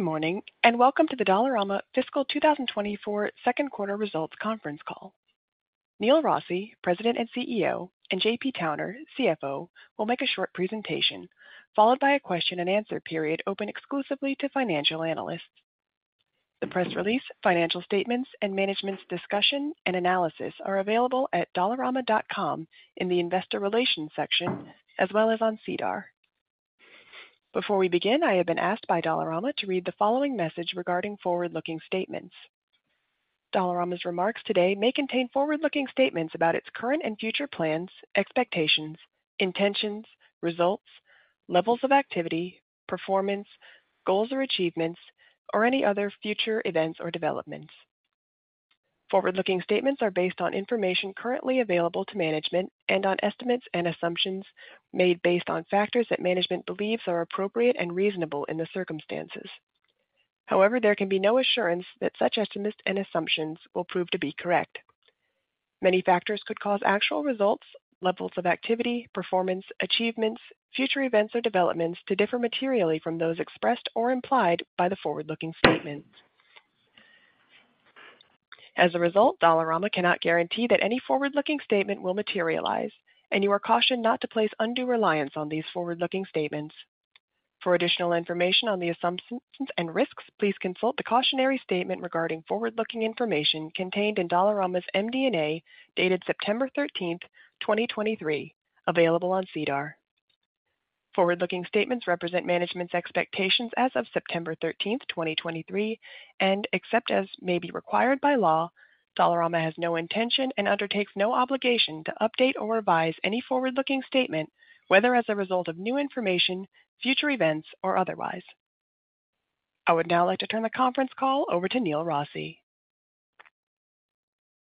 Good morning, and welcome to the Dollarama Fiscal 2024 second quarter results conference call. Neil Rossy, President and CEO; and J.P. Towner, CFO, will make a short presentation, followed by a question and answer period open exclusively to financial analysts. The press release, financial statements, and management's discussion and analysis are available at dollarama.com in the Investor Relations section, as well as on SEDAR. Before we begin, I have been asked by Dollarama to read the following message regarding forward-looking statements. Dollarama's remarks today may contain forward-looking statements about its current and future plans, expectations, intentions, results, levels of activity, performance, goals or achievements, or any other future events or developments. Forward-looking statements are based on information currently available to management and on estimates and assumptions made based on factors that management believes are appropriate and reasonable in the circumstances. However, there can be no assurance that such estimates and assumptions will prove to be correct. Many factors could cause actual results, levels of activity, performance, achievements, future events or developments to differ materially from those expressed or implied by the forward-looking statements. As a result, Dollarama cannot guarantee that any forward-looking statement will materialize, and you are cautioned not to place undue reliance on these forward-looking statements. For additional information on the assumptions and risks, please consult the cautionary statement regarding forward-looking information contained in Dollarama's MD&A, dated September 13th, 2023, available on SEDAR. Forward-looking statements represent management's expectations as of September 13th, 2023, and except as may be required by law, Dollarama has no intention and undertakes no obligation to update or revise any forward-looking statement, whether as a result of new information, future events, or otherwise. I would now like to turn the conference call over to Neil Rossy.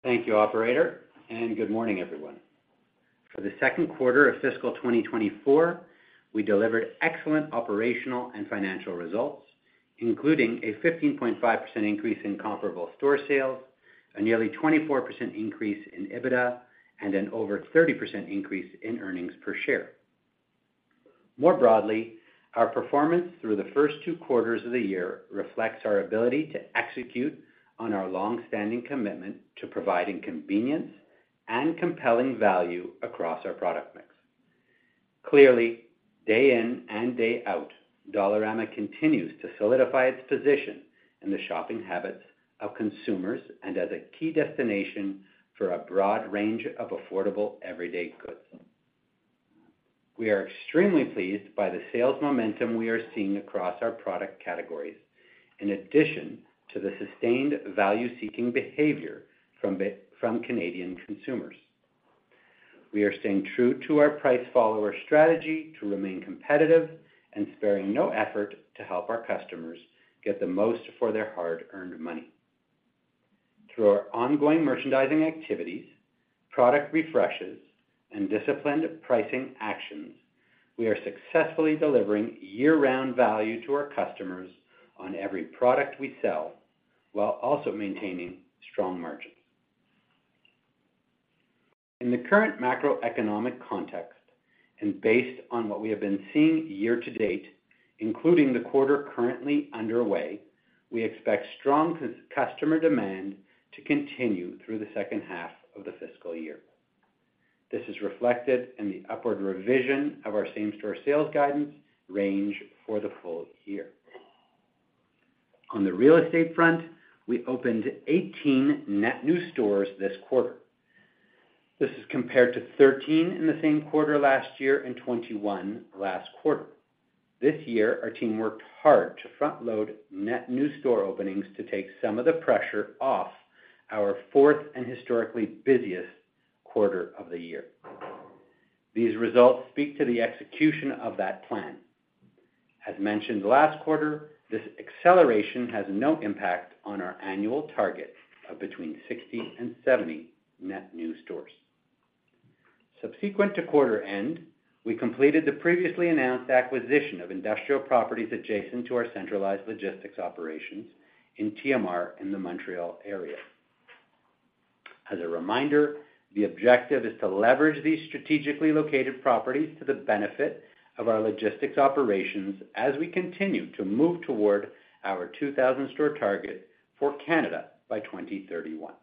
Thank you, operator, and good morning, everyone. For the second quarter of fiscal 2024, we delivered excellent operational and financial results, including a 15.5% increase in comparable store sales, a nearly 24% increase in EBITDA, and an over 30% increase in earnings per share. More broadly, our performance through the first two quarters of the year reflects our ability to execute on our long-standing commitment to providing convenience and compelling value across our product mix. Clearly, day in and day out, Dollarama continues to solidify its position in the shopping habits of consumers and as a key destination for a broad range of affordable, everyday goods. We are extremely pleased by the sales momentum we are seeing across our product categories, in addition to the sustained value-seeking behavior from Canadian consumers. We are staying true to our price follower strategy to remain competitive and sparing no effort to help our customers get the most for their hard-earned money. Through our ongoing merchandising activities, product refreshes, and disciplined pricing actions, we are successfully delivering year-round value to our customers on every product we sell, while also maintaining strong margins. In the current macroeconomic context, and based on what we have been seeing year-to-date, including the quarter currently underway, we expect strong customer demand to continue through the second half of the fiscal year. This is reflected in the upward revision of our same-store sales guidance range for the full year. On the real estate front, we opened 18 net new stores this quarter. This is compared to 13 in the same quarter last year and 21 last quarter. This year, our team worked hard to front-load net new store openings to take some of the pressure off our fourth and historically busiest quarter of the year. These results speak to the execution of that plan. As mentioned last quarter, this acceleration has no impact on our annual target of between 60 and 70 net new stores. Subsequent to quarter end, we completed the previously announced acquisition of industrial properties adjacent to our centralized logistics operations in TMR in the Montreal area. As a reminder, the objective is to leverage these strategically located properties to the benefit of our logistics operations as we continue to move toward our 2,000-store target for Canada by 2031.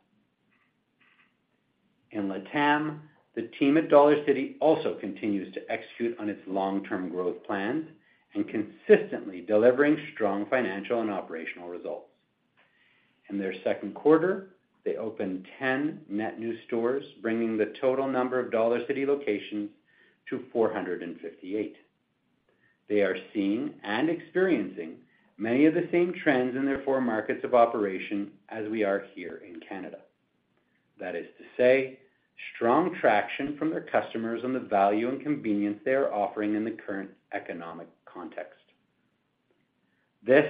In LATAM, the team at Dollarcity also continues to execute on its long-term growth plans and consistently delivering strong financial and operational results. In their second quarter, they opened 10 net new stores, bringing the total number of Dollarcity locations to 458. They are seeing and experiencing many of the same trends in their four markets of operation as we are here in Canada. That is to say, strong traction from their customers on the value and convenience they are offering in the current economic context. This,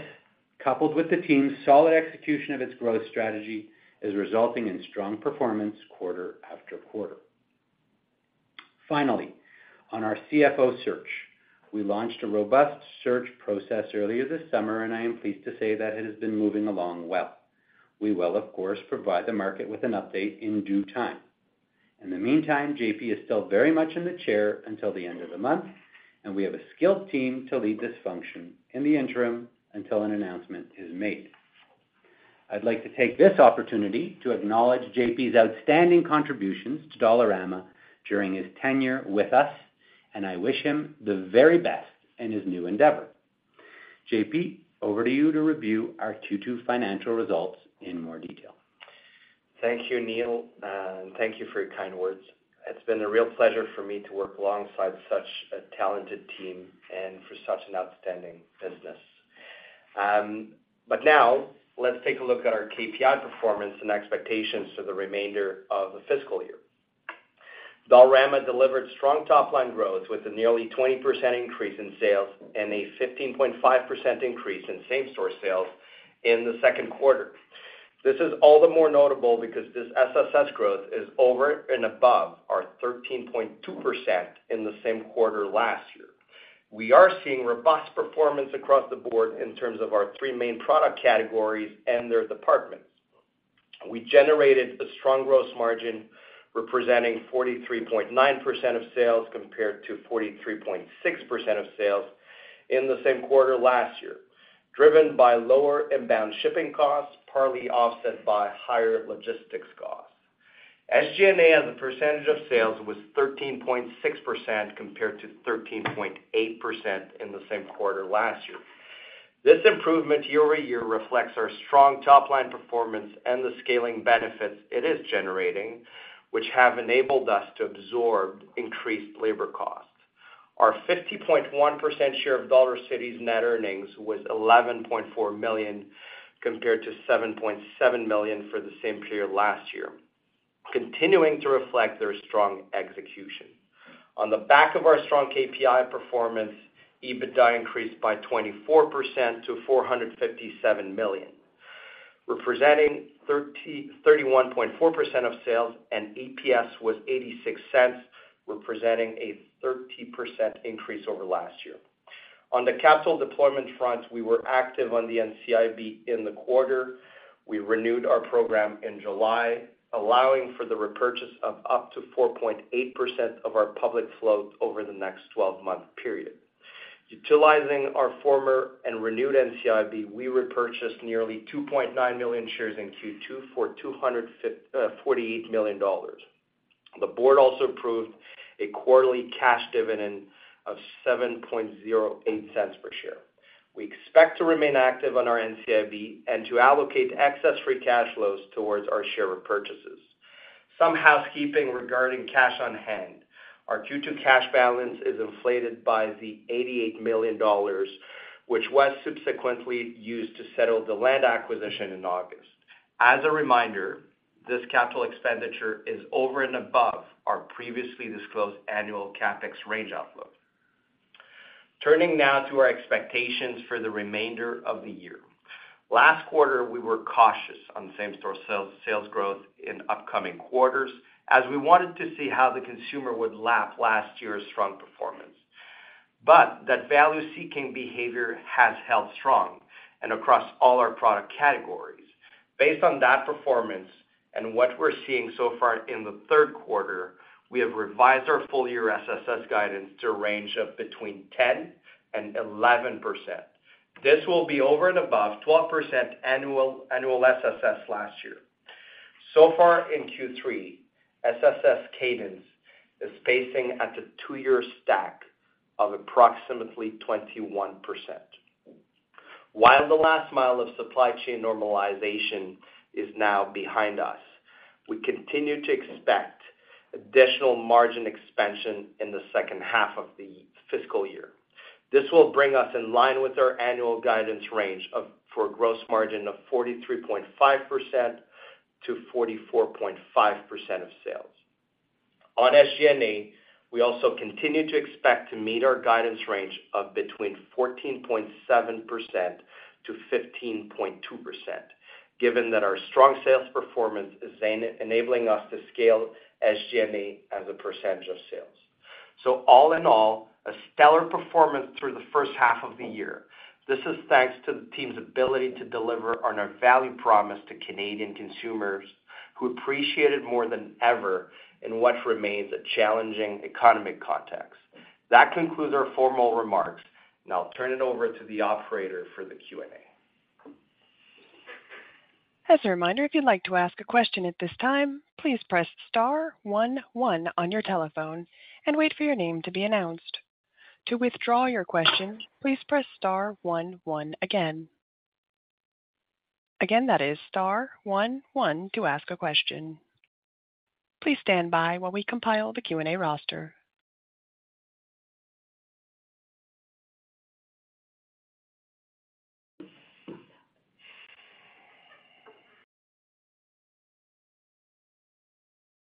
coupled with the team's solid execution of its growth strategy, is resulting in strong performance quarter after quarter. Finally, on our CFO search, we launched a robust search process earlier this summer, and I am pleased to say that it has been moving along well. We will, of course, provide the market with an update in due time. In the meantime, J.P. is still very much in the chair until the end of the month, and we have a skilled team to lead this function in the interim until an announcement is made. I'd like to take this opportunity to acknowledge J.P.'s outstanding contributions to Dollarama during his tenure with us, and I wish him the very best in his new endeavor. J.P., over to you to review our Q2 financial results in more detail. Thank you, Neil, and thank you for your kind words. It's been a real pleasure for me to work alongside such a talented team and for such an outstanding business. But now let's take a look at our KPI performance and expectations for the remainder of the fiscal year. Dollarama delivered strong top-line growth with a nearly 20% increase in sales and a 15.5% increase in same-store sales in the second quarter. This is all the more notable because this SSS growth is over and above our 13.2% in the same quarter last year. We are seeing robust performance across the board in terms of our three main product categories and their departments. We generated a strong gross margin, representing 43.9% of sales, compared to 43.6% of sales in the same quarter last year, driven by lower inbound shipping costs, partly offset by higher logistics costs. SG&A, as a percentage of sales, was 13.6%, compared to 13.8% in the same quarter last year. This improvement year-over-year reflects our strong top-line performance and the scaling benefits it is generating, which have enabled us to absorb increased labor costs. Our 50.1% share of Dollarcity's net earnings was 11.4 million, compared to 7.7 million for the same period last year, continuing to reflect their strong execution. On the back of our strong KPI performance, EBITDA increased by 24% to 457 million, representing 31.4% of sales, and EPS was 0.86, representing a 30% increase over last year. On the capital deployment front, we were active on the NCIB in the quarter. We renewed our program in July, allowing for the repurchase of up to 4.8% of our public float over the next 12-month period. Utilizing our former and renewed NCIB, we repurchased nearly 2.9 million shares in Q2 for 248 million dollars. The board also approved a quarterly cash dividend of 0.0708 per share. We expect to remain active on our NCIB and to allocate excess Free Cash Flows towards our share repurchases. Some housekeeping regarding cash on hand. Our Q2 cash balance is inflated by the 88 million dollars, which was subsequently used to settle the land acquisition in August. As a reminder, this capital expenditure is over and above our previously disclosed annual CapEx range outlook. Turning now to our expectations for the remainder of the year. Last quarter, we were cautious on same-store sales, sales growth in upcoming quarters, as we wanted to see how the consumer would lap last year's strong performance. But that value-seeking behavior has held strong and across all our product categories. Based on that performance and what we're seeing so far in the third quarter, we have revised our full-year SSS guidance to a range of between 10% and 11%. This will be over and above 12% annual, annual SSS last year. So far in Q3, SSS cadence is pacing at a two-year stack of approximately 21%. While the last mile of supply chain normalization is now behind us, we continue to expect additional margin expansion in the second half of the fiscal year. This will bring us in line with our annual guidance range for a gross margin of 43.5%-44.5% of sales. On SG&A, we also continue to expect to meet our guidance range of between 14.7%-15.2%, given that our strong sales performance is enabling us to scale SG&A as a percentage of sales. So all in all, a stellar performance through the first half of the year. This is thanks to the team's ability to deliver on our value promise to Canadian consumers, who appreciate it more than ever in what remains a challenging economic context. That concludes our formal remarks, and I'll turn it over to the operator for the Q&A. As a reminder, if you'd like to ask a question at this time, please press star one one on your telephone and wait for your name to be announced. To withdraw your question, please press star one one again. Again, that is star one one to ask a question. Please stand by while we compile the Q&A roster.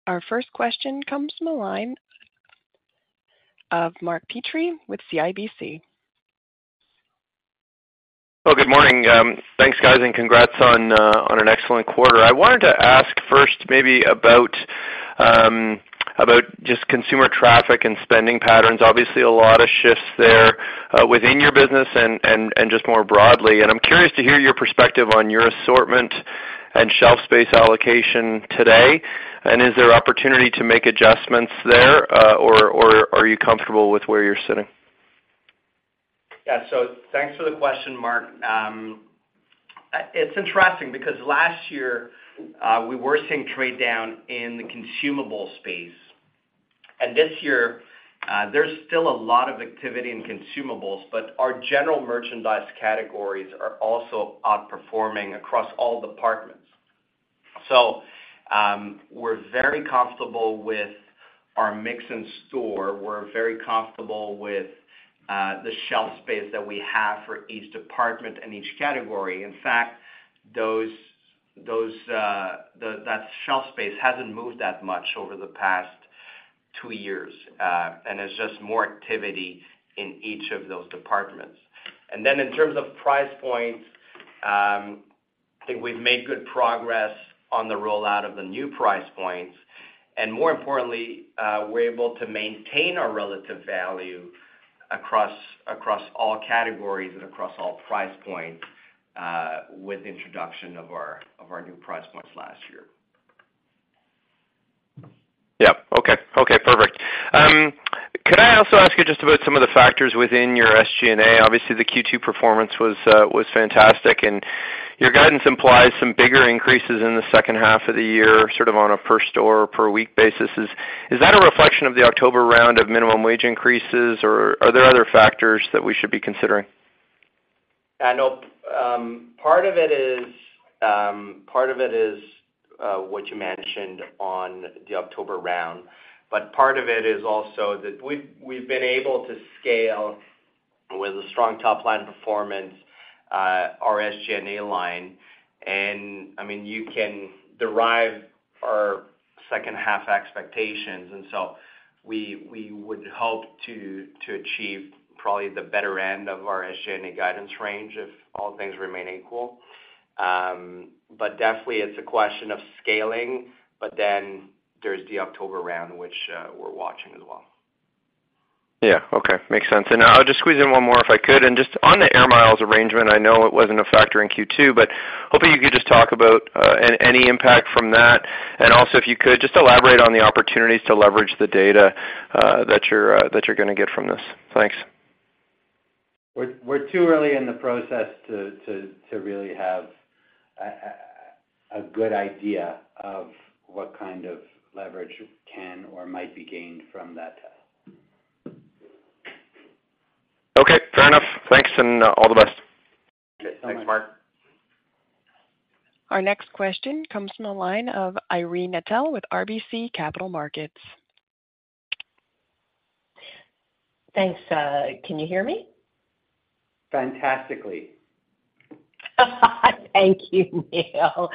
Our first question comes from the line of Mark Petrie with CIBC. Well, good morning. Thanks, guys, and congrats on an excellent quarter. I wanted to ask first maybe about just consumer traffic and spending patterns. Obviously, a lot of shifts there within your business and just more broadly. And I'm curious to hear your perspective on your assortment and shelf space allocation today. And is there opportunity to make adjustments there, or are you comfortable with where you're sitting? Yeah. So thanks for the question, Mark. It's interesting because last year we were seeing trade down in the consumable space. And this year there's still a lot of activity in consumables, but our general merchandise categories are also outperforming across all departments. So we're very comfortable with our mix in store. We're very comfortable with the shelf space that we have for each department and each category. In fact, that shelf space hasn't moved that much over the past two years, and it's just more activity in each of those departments. Then in terms of price points, I think we've made good progress on the rollout of the new price points, and more importantly, we're able to maintain our relative value across all categories and across all price points with the introduction of our new price points last year. Yeah. Okay. Okay, perfect. Could I also ask you just about some of the factors within your SG&A? Obviously, the Q2 performance was fantastic, and your guidance implies some bigger increases in the second half of the year, sort of on a per store or per week basis. Is that a reflection of the October round of minimum wage increases, or are there other factors that we should be considering? I know, part of it is, part of it is, what you mentioned on the October round, but part of it is also that we've, we've been able to scale with a strong top line performance, our SG&A line, and, I mean, you can derive our second half expectations. And so we, we would hope to, to achieve probably the better end of our SG&A guidance range if all things remain equal. But definitely it's a question of scaling. But then there's the October round, which, we're watching as well. Yeah, okay. Makes sense. And I'll just squeeze in one more, if I could. And just on the AIR MILES arrangement, I know it wasn't a factor in Q2, but hopefully you could just talk about any impact from that. And also, if you could, just elaborate on the opportunities to leverage the data that you're gonna get from this. Thanks. We're too early in the process to really have a good idea of what kind of leverage can or might be gained from that. Okay, fair enough. Thanks, and all the best. Thanks, Mark. Our next question comes from the line of Irene Nattel with RBC Capital Markets. Thanks. Can you hear me? Fantastically. Thank you, Neil.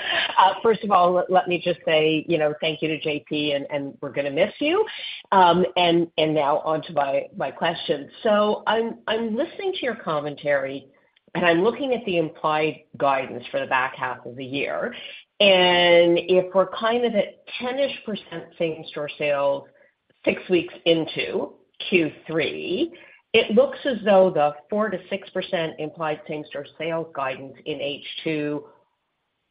First of all, let me just say, you know, thank you to J.P., and we're gonna miss you. And now on to my question. So I'm listening to your commentary, and I'm looking at the implied guidance for the back half of the year. And if we're kind of at 10%-ish same-store sales six weeks into Q3, it looks as though the 4%-6% implied same-store sales guidance in H2,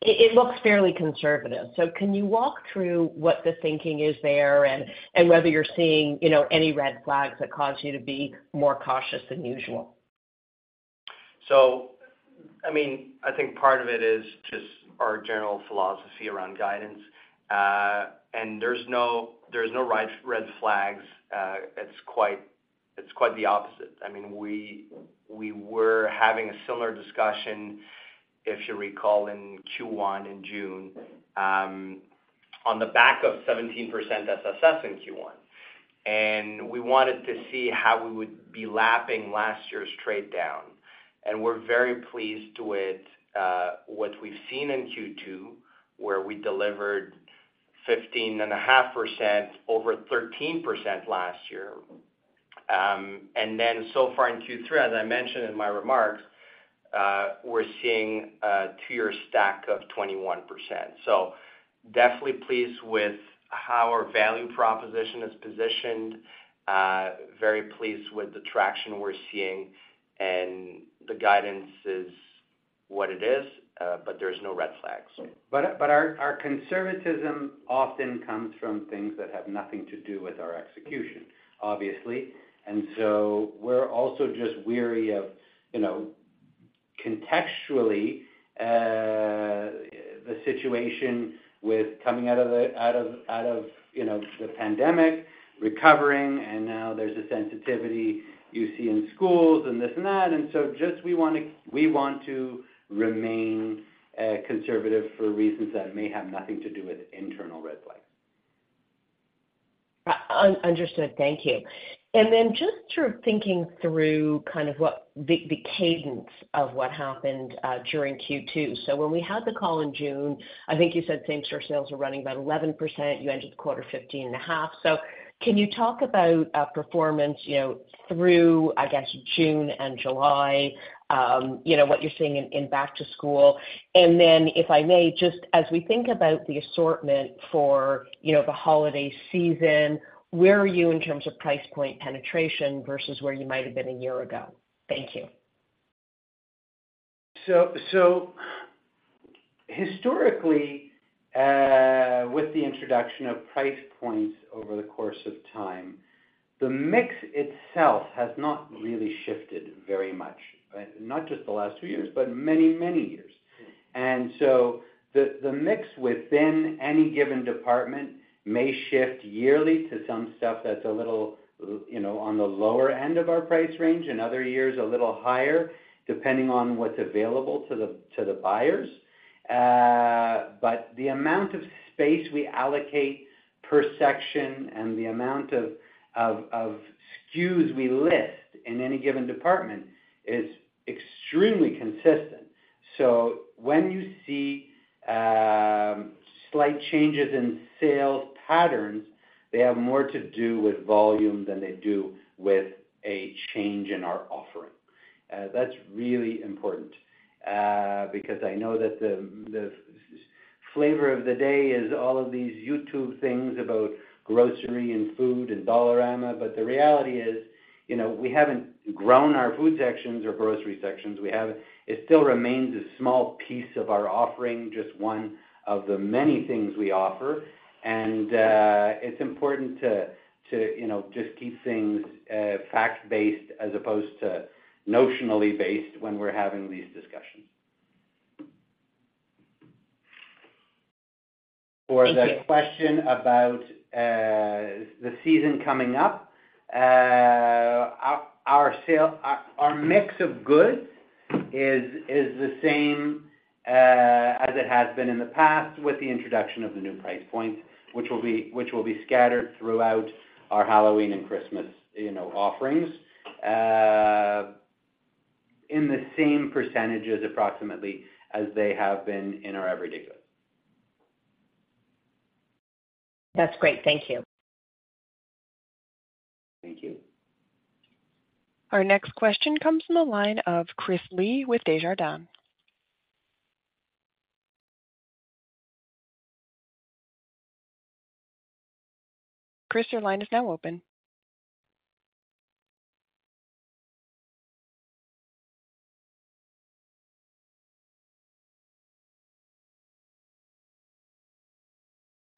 it looks fairly conservative. So can you walk through what the thinking is there and whether you're seeing, you know, any red flags that cause you to be more cautious than usual? So, I mean, I think part of it is just our general philosophy around guidance. And there's no red flags. It's quite the opposite. I mean, we were having a similar discussion, if you recall, in Q1, in June, on the back of 17% SSS in Q1, and we wanted to see how we would be lapping last year's trade down. And we're very pleased with what we've seen in Q2, where we delivered 15.5% over 13% last year. And then so far in Q3, as I mentioned in my remarks, we're seeing a two-year stack of 21%. So definitely pleased with how our value proposition is positioned, very pleased with the traction we're seeing, and the guidance is what it is, but there's no red flags. But our conservatism often comes from things that have nothing to do with our execution, obviously. And so we're also just wary of, you know, contextually, the situation with coming out of the pandemic, recovering, and now there's a sensitivity you see in schools and this and that. And so just we want to remain conservative for reasons that may have nothing to do with internal red flags. Understood. Thank you. Then just sort of thinking through kind of what the cadence of what happened during Q2. So when we had the call in June, I think you said same-store sales were running about 11%. You ended the quarter 15.5%. So can you talk about performance, you know, through, I guess, June and July, you know, what you're seeing in back to school? And then, if I may, just as we think about the assortment for, you know, the holiday season, where are you in terms of price point penetration versus where you might have been a year ago? Thank you. So, historically, with the introduction of price points over the course of time, the mix itself has not really shifted very much. Not just the last two years, but many, many years. And so the mix within any given department may shift yearly to some stuff that's a little, you know, on the lower end of our price range, in other years, a little higher, depending on what's available to the buyers. But the amount of space we allocate per section and the amount of SKUs we list in any given department is extremely consistent. So when you see slight changes in sales patterns, they have more to do with volume than they do with a change in our offering. That's really important, because I know that the flavor of the day is all of these YouTube things about grocery and food and Dollarama. But the reality is, you know, we haven't grown our food sections or grocery sections. It still remains a small piece of our offering, just one of the many things we offer. And, it's important to, you know, just keep things fact-based as opposed to notionally based when we're having these discussions. Thank you. For the question about the season coming up, our sales, our mix of goods is the same as it has been in the past, with the introduction of the new price points, which will be scattered throughout our Halloween and Christmas, you know, offerings in the same percentages, approximately, as they have been in our everyday goods. That's great. Thank you. Thank you. Our next question comes from the line of Chris Li with Desjardins. Chris, your line is now open.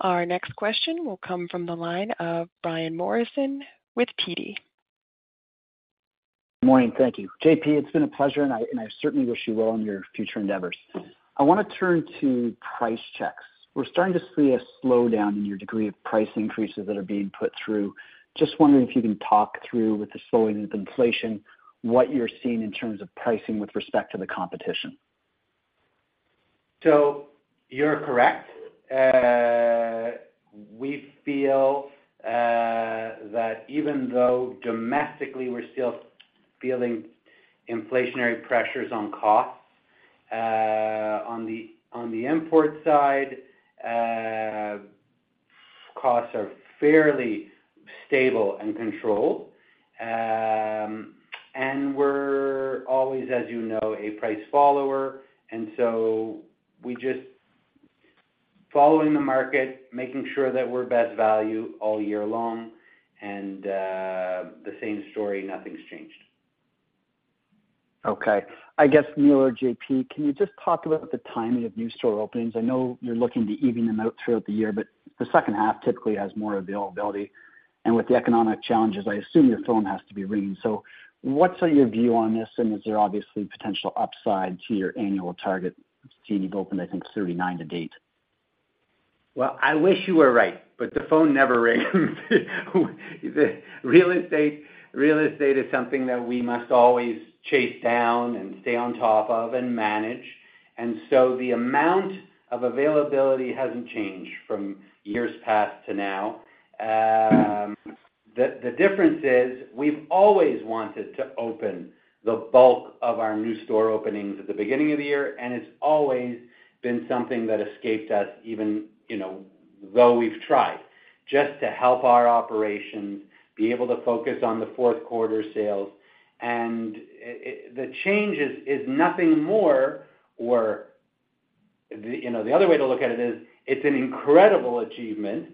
Our next question will come from the line of Brian Morrison with TD. Morning. Thank you. J.P., it's been a pleasure, and I, and I certainly wish you well in your future endeavors. I wanna turn to price checks. We're starting to see a slowdown in your degree of price increases that are being put through. Just wondering if you can talk through, with the slowing of inflation, what you're seeing in terms of pricing with respect to the competition? So you're correct. We feel that even though domestically we're still feeling inflationary pressures on costs, on the import side, costs are fairly stable and controlled. And we're always, as you know, a price follower, and so we just following the market, making sure that we're best value all year long, and the same story, nothing's changed. Okay. I guess, Neil or J.P., can you just talk about the timing of new store openings? I know you're looking to even them out throughout the year, but the second half typically has more availability. And with the economic challenges, I assume your phone has to be ringing. So what's your view on this, and is there obviously potential upside to your annual target? I see you've opened, I think, 39 to date. Well, I wish you were right, but the phone never rings. Real estate, real estate is something that we must always chase down and stay on top of and manage. And so the amount of availability hasn't changed from years past to now. The difference is, we've always wanted to open the bulk of our new store openings at the beginning of the year, and it's always been something that escaped us, even, you know, though we've tried, just to help our operations be able to focus on the fourth quarter sales. And the change is nothing more or, you know, the other way to look at it is, it's an incredible achievement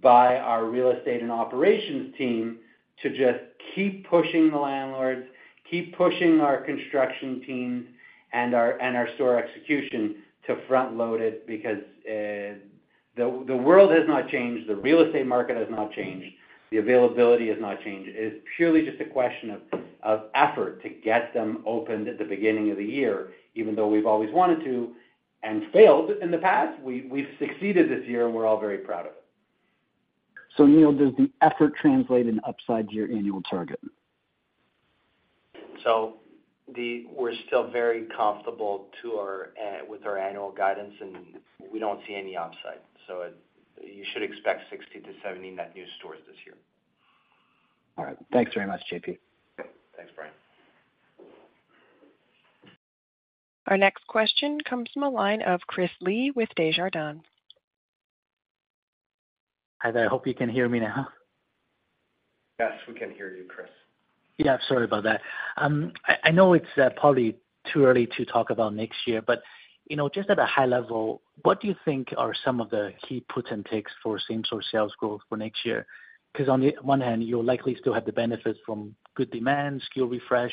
by our real estate and operations team to just keep pushing the landlords, keep pushing our construction team and our store execution to front load it, because the world has not changed, the real estate market has not changed, the availability has not changed. It's purely just a question of effort to get them opened at the beginning of the year. Even though we've always wanted to and failed in the past, we've succeeded this year, and we're all very proud of it. Neil, does the effort translate in upside to your annual target? So, we're still very comfortable with our annual guidance, and we don't see any upside, so you should expect 60-70 net new stores this year. All right. Thanks very much, J.P. Thanks, Brian. Our next question comes from the line of Chris Li with Desjardins. Hi, there. I hope you can hear me now. Yes, we can hear you, Chris. Yeah, sorry about that. I know it's probably too early to talk about next year, but, you know, just at a high level, what do you think are some of the key puts and takes for same-store sales growth for next year? Because on the one hand, you'll likely still have the benefits from good demand, SKU refresh,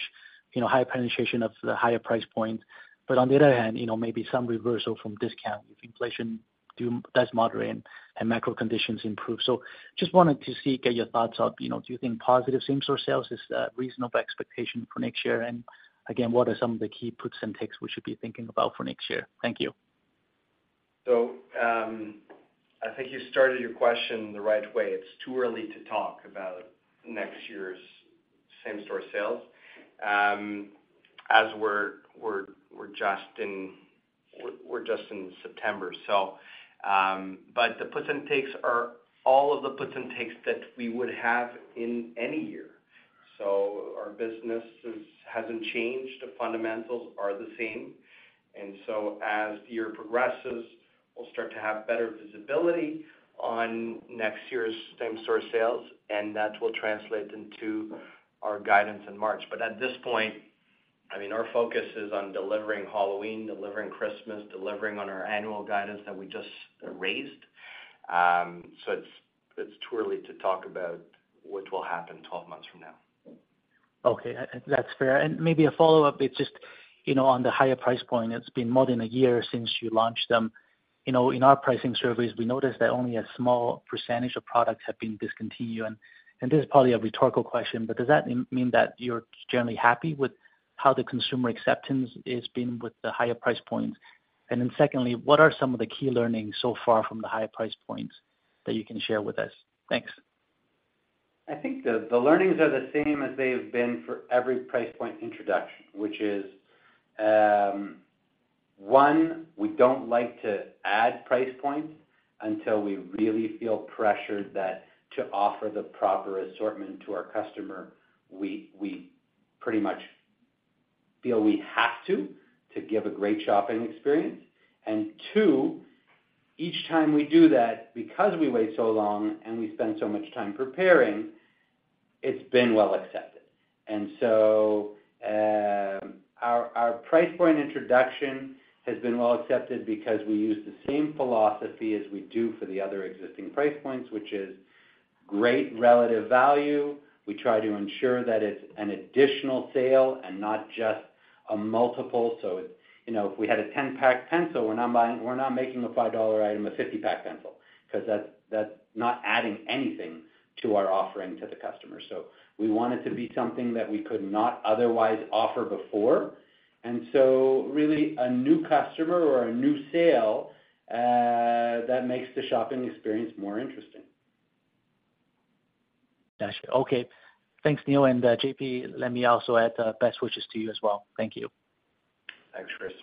you know, high penetration of the higher price point. But on the other hand, you know, maybe some reversal from discount if inflation does moderate and, and macro conditions improve. So just wanted to see, get your thoughts on, you know, do you think positive same-store sales is a reasonable expectation for next year? And again, what are some of the key puts and takes we should be thinking about for next year? Thank you. So, I think you started your question the right way. It's too early to talk about next year's same-store sales, as we're just in September but the puts and takes are all of the puts and takes that we would have in any year. So our business hasn't changed. The fundamentals are the same. And so as the year progresses, we'll start to have better visibility on next year's same-store sales, and that will translate into our guidance in March. But at this point, I mean, our focus is on delivering Halloween, delivering Christmas, delivering on our annual guidance that we just raised. So it's too early to talk about what will happen 12 months from now. Okay, that's fair. And maybe a follow-up, it's just, you know, on the higher price point, it's been more than a year since you launched them. You know, in our pricing surveys, we noticed that only a small percentage of products have been discontinued. And this is probably a rhetorical question, but does that mean, mean that you're generally happy with how the consumer acceptance is been with the higher price points? And then secondly, what are some of the key learnings so far from the higher price points that you can share with us? Thanks. I think the learnings are the same as they have been for every price point introduction, which is, one, we don't like to add price points until we really feel pressured that to offer the proper assortment to our customer, we pretty much feel we have to give a great shopping experience. And two, each time we do that, because we wait so long and we spend so much time preparing, it's been well accepted. And so, our price point introduction has been well accepted because we use the same philosophy as we do for the other existing price points, which is great relative value. We try to ensure that it's an additional sale and not just a multiple. So, you know, if we had a 10-pack pencil, we're not buying, we're not making a 5 dollar item, a 50-pack pencil, because that's not adding anything to our offering to the customer. So we want it to be something that we could not otherwise offer before. And so really a new customer or a new sale that makes the shopping experience more interesting. Got you. Okay. Thanks, Neil. And, J.P., let me also add, best wishes to you as well. Thank you. Thanks, Chris.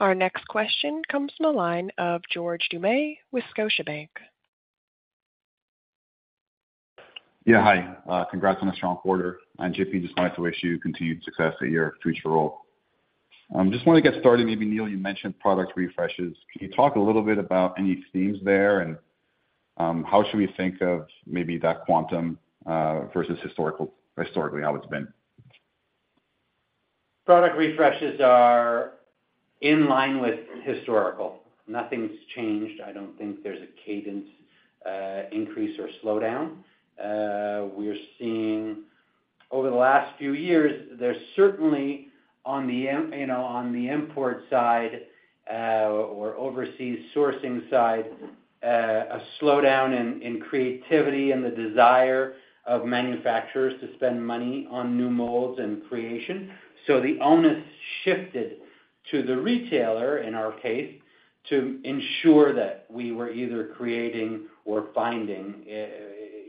Our next question comes from the line of George Doumet with Scotiabank. Yeah, hi. Congrats on a strong quarter. And J.P., just wanted to wish you continued success at your future role. Just want to get started, maybe, Neil, you mentioned product refreshes. Can you talk a little bit about any themes there? And, how should we think of maybe that quantum, versus historical, historically, how it's been? Product refreshes are in line with historical. Nothing's changed. I don't think there's a cadence, increase or slowdown. We're seeing over the last few years, there's certainly on the—you know, on the import side, or overseas sourcing side, a slowdown in creativity and the desire of manufacturers to spend money on new molds and creation. So the onus shifted to the retailer, in our case, to ensure that we were either creating or finding,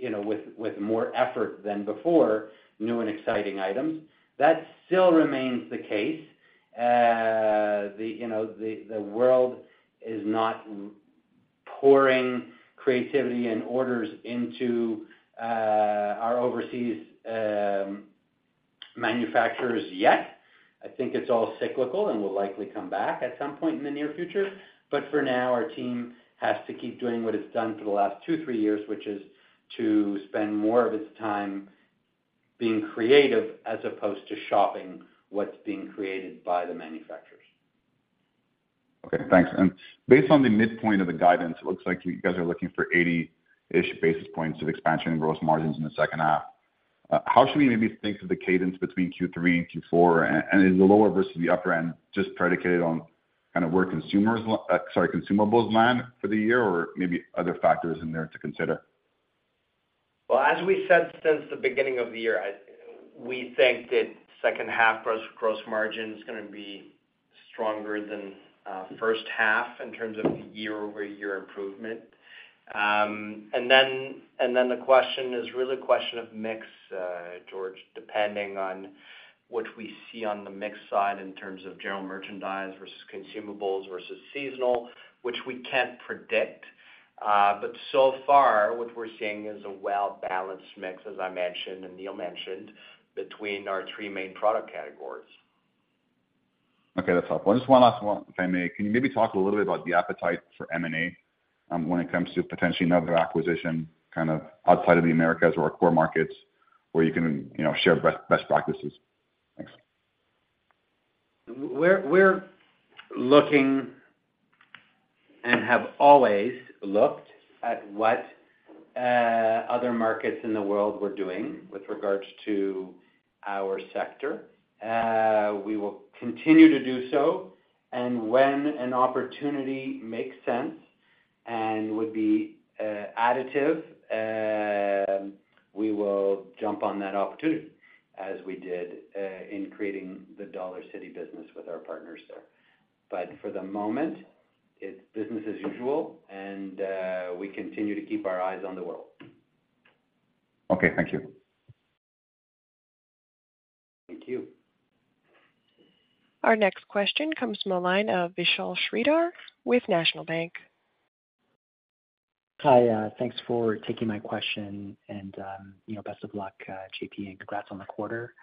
you know, with more effort than before, new and exciting items. That still remains the case. The, you know, the world is not pouring creativity and orders into our overseas manufacturers yet. I think it's all cyclical and will likely come back at some point in the near future. But for now, our team has to keep doing what it's done for the last two-three years, which is to spend more of its time being creative as opposed to shopping what's being created by the manufacturers. Okay, thanks. And based on the midpoint of the guidance, it looks like you guys are looking for 80-ish basis points of expansion in gross margins in the second half. How should we maybe think of the cadence between Q3 and Q4, and, and is the lower versus the upper end just predicated on kind of where consumers sorry, consumables land for the year, or maybe other factors in there to consider? Well, as we said since the beginning of the year, we think that second half gross margin is gonna be stronger than first half in terms of the year-over-year improvement. And then the question is really a question of mix, George, depending on what we see on the mix side in terms of general merchandise versus consumables versus seasonal, which we can't predict. But so far, what we're seeing is a well-balanced mix, as I mentioned, and Neil mentioned, between our three main product categories. Okay, that's helpful. Just one last one, if I may. Can you maybe talk a little bit about the appetite for M&A, when it comes to potentially another acquisition, kind of outside of the Americas or our core markets, where you can, you know, share best, best practices? Thanks. We're looking and have always looked at what other markets in the world were doing with regards to our sector. We will continue to do so, and when an opportunity makes sense and would be additive, we will jump on that opportunity, as we did in creating the Dollarcity business with our partners there. But for the moment, it's business as usual, and we continue to keep our eyes on the world. Okay, thank you. Thank you. Our next question comes from the line of Vishal Shreedhar with National Bank. Hi, thanks for taking my question, and, you know, best of luck, J.P., and congrats on the quarter.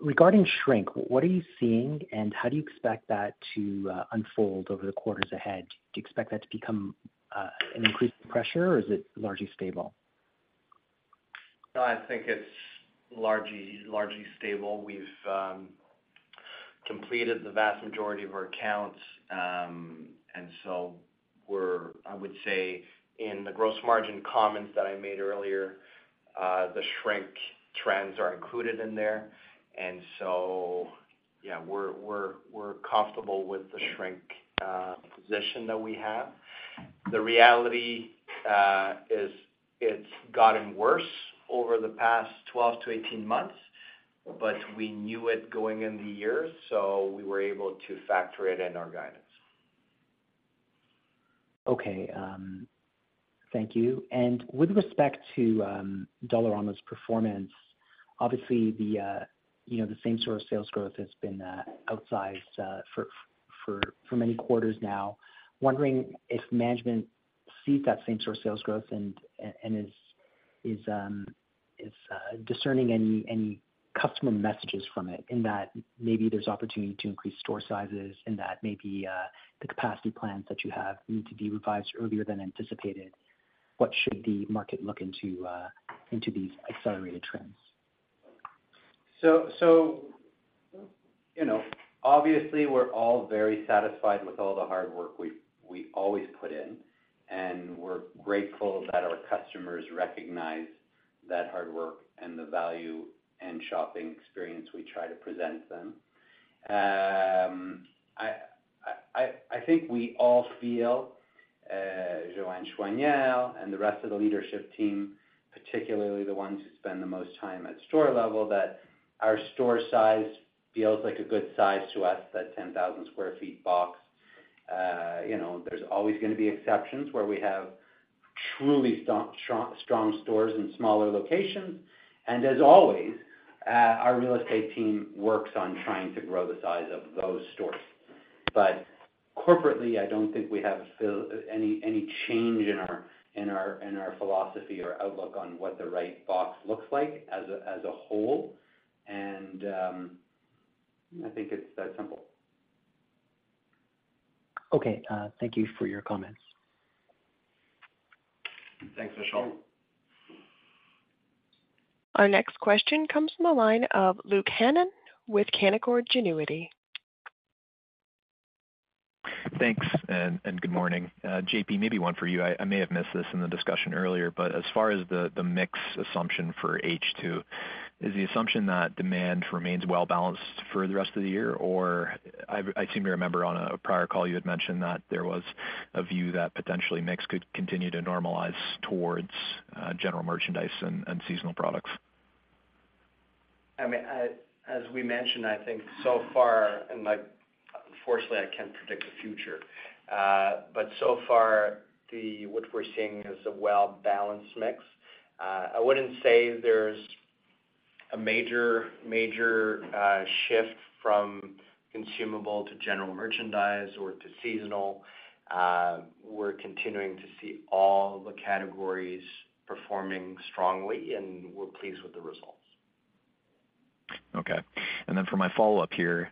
Regarding shrink, what are you seeing, and how do you expect that to unfold over the quarters ahead? Do you expect that to become an increased pressure, or is it largely stable? I think it's largely, largely stable. We've completed the vast majority of our counts, and so we're—I would say in the gross margin comments that I made earlier, the shrink trends are included in there. And so, yeah, we're comfortable with the shrink position that we have. The reality is it's gotten worse over the past 12-18 months, but we knew it going in the year, so we were able to factor it in our guidance. Okay, thank you. And with respect to Dollarama's performance, obviously, you know, the same store sales growth has been outsized for many quarters now. Wondering if management sees that same store sales growth and is discerning any customer messages from it, in that maybe there's opportunity to increase store sizes, in that maybe the capacity plans that you have need to be revised earlier than anticipated. What should the market look into these accelerated trends? You know, obviously, we're all very satisfied with all the hard work we've, we always put in, and we're grateful that our customers recognize that hard work and the value and shopping experience we try to present them. I think we all feel, Johanne Choinière and the rest of the leadership team, particularly the ones who spend the most time at store level, that our store size feels like a good size to us, that 10,000 sq ft box. You know, there's always gonna be exceptions where we have truly strong, strong stores in smaller locations. And as always, our real estate team works on trying to grow the size of those stores. Corporately, I don't think we have any change in our philosophy or outlook on what the right box looks like as a whole, and I think it's that simple. Okay, thank you for your comments. Thanks, Vishal. Our next question comes from the line of Luke Hannan with Canaccord Genuity. Thanks, and good morning. J.P., maybe one for you. I may have missed this in the discussion earlier, but as far as the mix assumption for H2, is the assumption that demand remains well balanced for the rest of the year? Or I seem to remember on a prior call, you had mentioned that there was a view that potentially mix could continue to normalize towards general merchandise and seasonal products. I mean, as we mentioned, I think so far, and unfortunately, I can't predict the future, but so far, what we're seeing is a well-balanced mix. I wouldn't say there's a major, major shift from consumable to general merchandise or to seasonal. We're continuing to see all the categories performing strongly, and we're pleased with the results. Okay. And then for my follow-up here,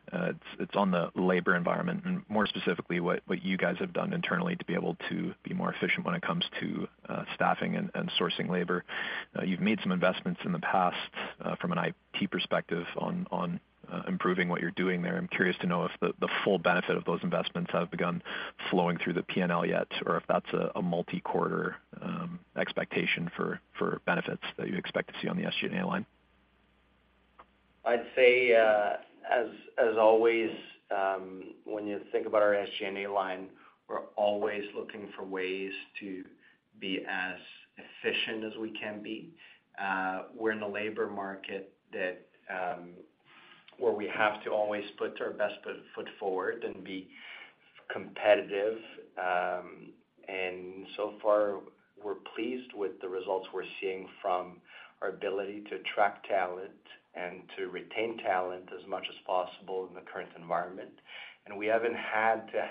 it's on the labor environment, and more specifically, what you guys have done internally to be able to be more efficient when it comes to staffing and sourcing labor. You've made some investments in the past, from an IT perspective on improving what you're doing there. I'm curious to know if the full benefit of those investments have begun flowing through the P&L yet, or if that's a multi-quarter expectation for benefits that you'd expect to see on the SG&A line. I'd say, as always, when you think about our SG&A line, we're always looking for ways to be as efficient as we can be. We're in a labor market that, where we have to always put our best foot forward and be competitive, and so far pleased with the results we're seeing from our ability to attract talent and to retain talent as much as possible in the current environment. And we haven't had to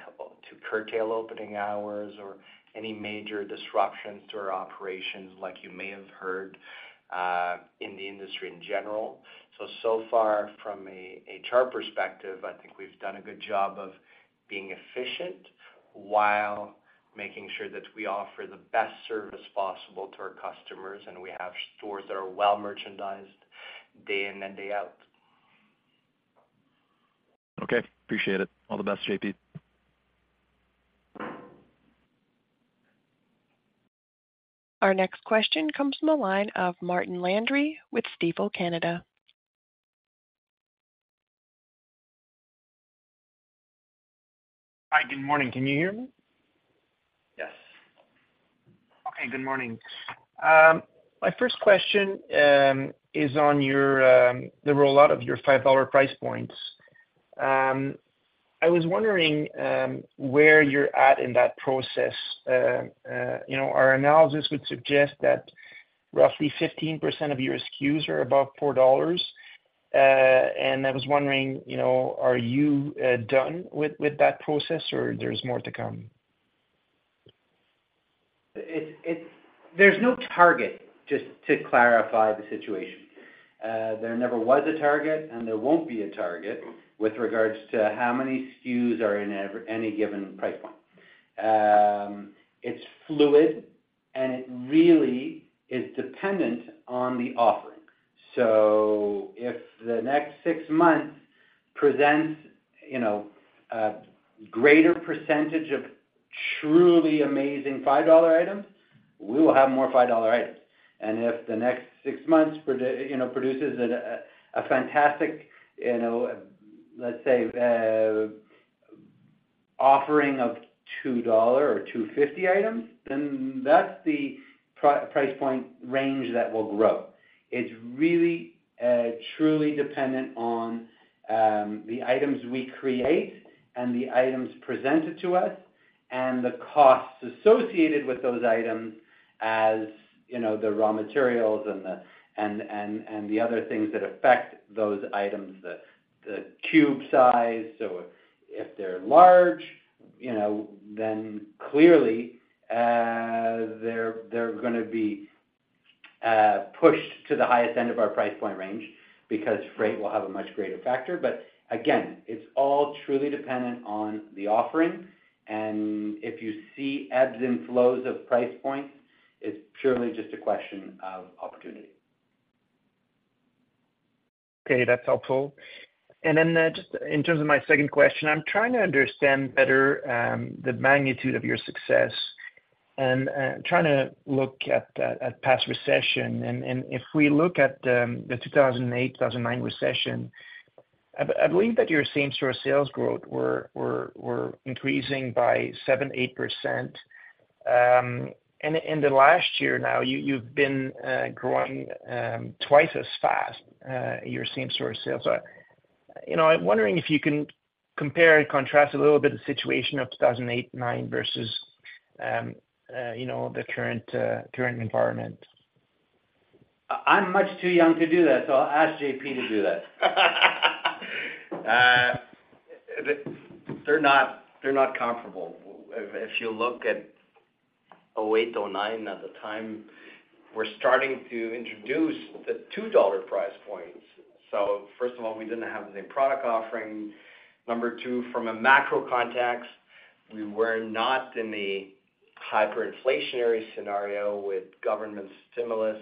curtail opening hours or any major disruptions to our operations, like you may have heard, in the industry in general. So far from a HR perspective, I think we've done a good job of being efficient while making sure that we offer the best service possible to our customers, and we have stores that are well merchandised day in and day out. Okay, appreciate it. All the best, J.P. Our next question comes from the line of Martin Landry with Stifel Canada. Hi, good morning. Can you hear me? Yes. Okay, good morning. My first question is on the rollout of your 5 dollar price points. I was wondering where you're at in that process. You know, our analysis would suggest that roughly 15% of your SKUs are above 4 dollars. And I was wondering, you know, are you done with that process, or there's more to come? There's no target, just to clarify the situation. There never was a target, and there won't be a target with regards to how many SKUs are in any given price point. It's fluid, and it really is dependent on the offering. So if the next six months presents, you know, a greater percentage of truly amazing 5 dollar items, we will have more 5 dollar items. And if the next six months produces a fantastic, you know, let's say, offering of 2 dollar or 2.50 items, then that's the price point range that will grow. It's really truly dependent on the items we create and the items presented to us, and the costs associated with those items, as you know, the raw materials and the other things that affect those items, the cube size. So if they're large, you know, then clearly they're gonna be pushed to the highest end of our price point range because freight will have a much greater factor. But again, it's all truly dependent on the offering, and if you see ebbs and flows of price points, it's purely just a question of opportunity. Okay, that's helpful. And then, just in terms of my second question, I'm trying to understand better, the magnitude of your success and, trying to look at, at past recession. And, and if we look at, the 2008-2009 recession, I believe that your same-store sales growth were increasing by 7%-8%. And in the last year now, you've been growing twice as fast, your same-store sales. You know, I'm wondering if you can compare and contrast a little bit the situation of 2008-2009 versus, you know, the current environment. I'm much too young to do that, so I'll ask J.P. to do that. They're not, they're not comparable. If you look at 2008, 2009, at the time, we're starting to introduce the $2 price points. So first of all, we didn't have the same product offering. Number two, from a macro context, we were not in the hyperinflationary scenario with government stimulus.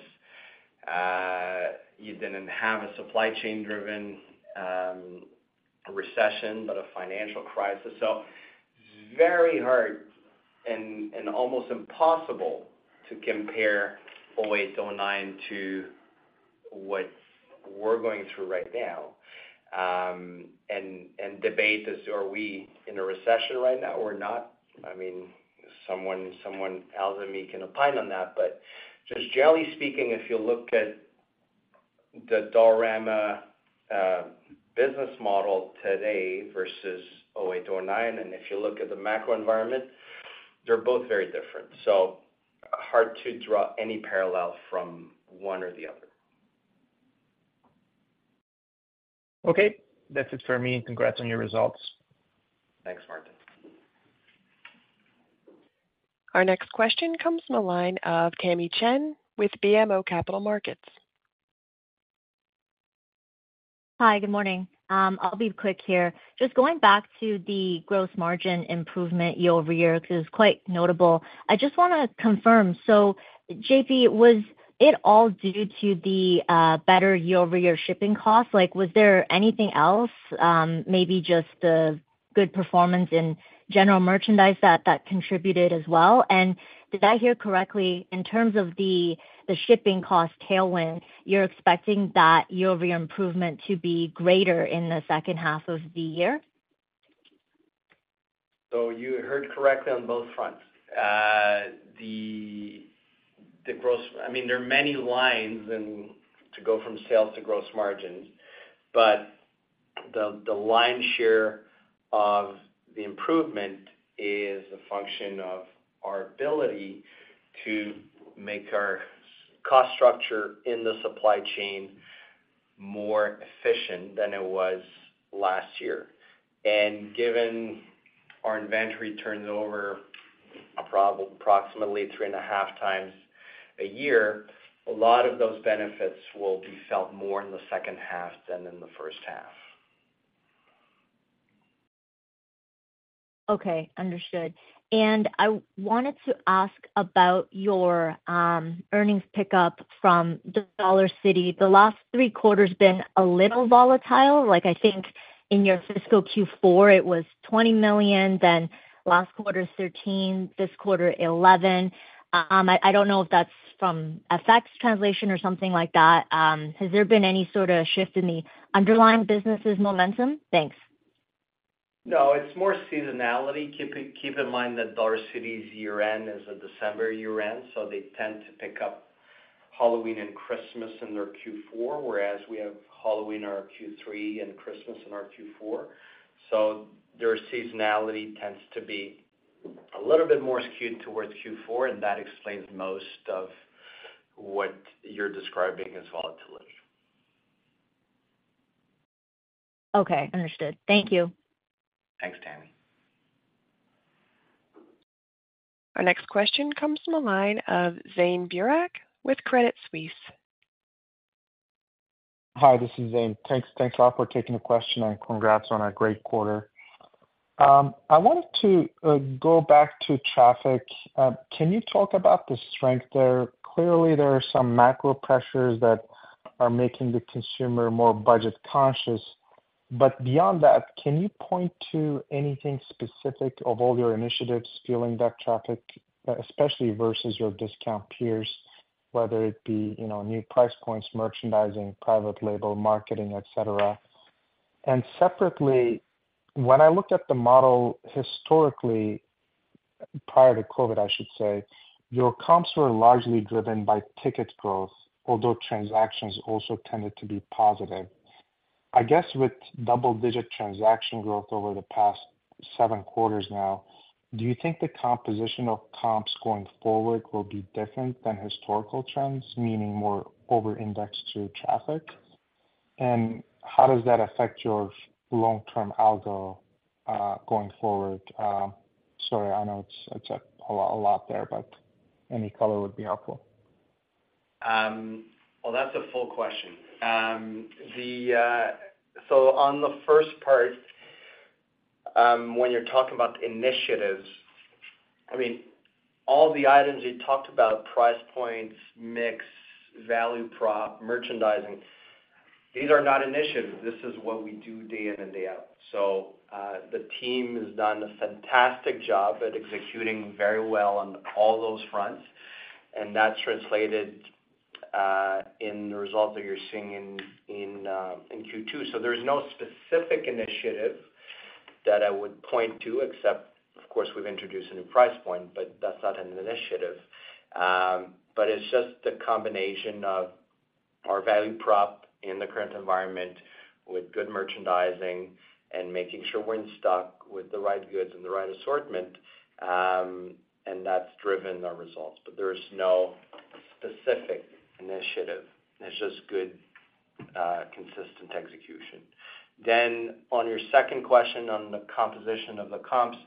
You didn't have a supply chain-driven recession, but a financial crisis. So very hard and almost impossible to compare 2008, 2009 to what we're going through right now. And debate is, are we in a recession right now or not? I mean, someone other than me can opine on that. But just generally speaking, if you look at the Dollarama, business model today versus 2008, 2009, and if you look at the macro environment, they're both very different. So hard to draw any parallel from one or the other. Okay, that's it for me. Congrats on your results. Thanks, Martin. Our next question comes from the line of Tamy Chen with BMO Capital Markets. Hi, good morning. I'll be quick here. Just going back to the gross margin improvement year-over-year, because it's quite notable. I just wanna confirm: so J.P., was it all due to the better year-over-year shipping costs? Like, was there anything else, maybe just the good performance in general merchandise that, that contributed as well? And did I hear correctly, in terms of the shipping cost tailwind, you're expecting that year-over-year improvement to be greater in the second half of the year? So you heard correctly on both fronts. The gross - I mean, there are many lines and to go from sales to gross margins, but the lion's share of the improvement is a function of our ability to make our cost structure in the supply chain more efficient than it was last year. And given our inventory turns over approximately three and a half times a year, a lot of those benefits will be felt more in the second half than in the first half. Okay, understood. I wanted to ask about your earnings pickup from the Dollarcity. The last three quarters been a little volatile. Like, I think in your fiscal Q4, it was 20 million, then last quarter, 13 million, this quarter, 11 million. I don't know if that's from FX translation or something like that. Has there been any sorta shift in the underlying business's momentum? Thanks. No, it's more seasonality. Keep in mind that Dollarcity's year-end is a December year-end, so they tend to pick up Halloween and Christmas in their Q4, whereas we have Halloween in our Q3 and Christmas in our Q4. So their seasonality tends to be a little bit more skewed towards Q4, and that explains most of what you're describing as volatility. Okay, understood. Thank you. Thanks, Tamy. Our next question comes from the line of Zeyn Burak with Credit Suisse. Hi, this is Zeyn. Thanks. Thanks a lot for taking the question, and congrats on a great quarter. I wanted to go back to traffic. Can you talk about the strength there? Clearly, there are some macro pressures that are making the consumer more budget-conscious. But beyond that, can you point to anything specific of all your initiatives fueling that traffic, especially versus your discount peers, whether it be, you know, new price points, merchandising, private label, marketing, et cetera? And separately, when I looked at the model historically, prior to COVID, I should say, your comps were largely driven by ticket growth, although transactions also tended to be positive. I guess, with double-digit transaction growth over the past seven quarters now, do you think the composition of comps going forward will be different than historical trends, meaning more over-indexed to traffic? How does that affect your long-term algo, going forward? Sorry, I know it's a lot there, but any color would be helpful. Well, that's a full question. So on the first part, when you're talking about initiatives, I mean, all the items you talked about, price points, mix, value prop, merchandising, these are not initiatives. This is what we do day in and day out. So the team has done a fantastic job at executing very well on all those fronts, and that's translated in the results that you're seeing in Q2. So there's no specific initiative that I would point to, except, of course, we've introduced a new price point, but that's not an initiative. But it's just the combination of our value prop in the current environment with good merchandising and making sure we're in stock with the right goods and the right assortment, and that's driven our results. But there is no specific initiative. It's just good, consistent execution. Then on your second question on the composition of the comps,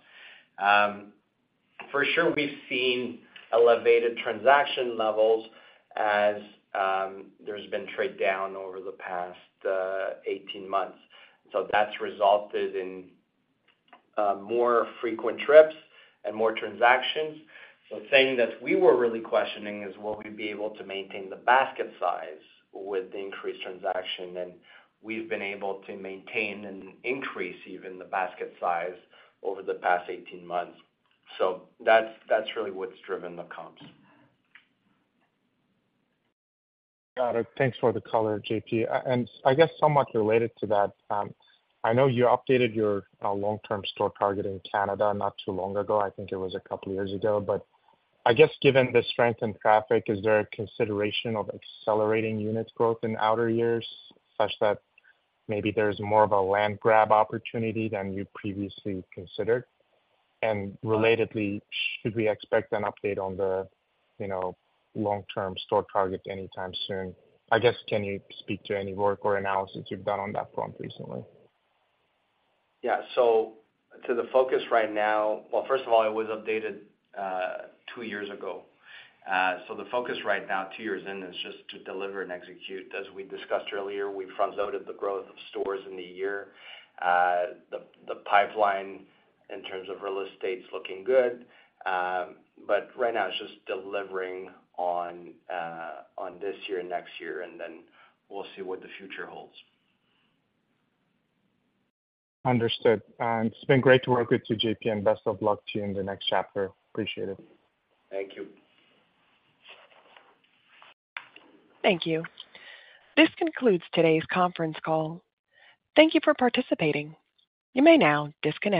for sure, we've seen elevated transaction levels as there's been trade down over the past 18 months. So that's resulted in more frequent trips and more transactions. So the thing that we were really questioning is, will we be able to maintain the basket size with the increased transaction? And we've been able to maintain and increase even the basket size over the past 18 months. So that's, that's really what's driven the comps. Got it. Thanks for the color, J.P. And I guess somewhat related to that, I know you updated your long-term store target in Canada not too long ago. I think it was a couple of years ago. But I guess given the strength in traffic, is there a consideration of accelerating units growth in outer years, such that maybe there's more of a land grab opportunity than you previously considered? And relatedly, should we expect an update on the, you know, long-term store target anytime soon? I guess, can you speak to any work or analysis you've done on that front recently? Yeah. So to the focus right now, well, first of all, it was updated two years ago. So the focus right now, two years in, is just to deliver and execute. As we discussed earlier, we front-loaded the growth of stores in the year. The pipeline in terms of real estate is looking good, but right now it's just delivering on this year and next year, and then we'll see what the future holds. Understood. It's been great to work with you, J.P., and best of luck to you in the next chapter. Appreciate it. Thank you. Thank you. This concludes today's conference call. Thank you for participating. You may now disconnect.